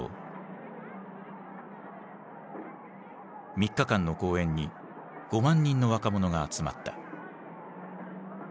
３日間の公演に５万人の若者が集まった。